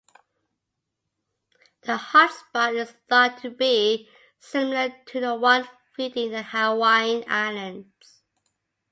The hotspot is thought to be similar to the one feeding the Hawaiian Islands.